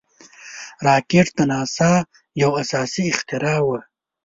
راکټ د ناسا یو اساسي اختراع وه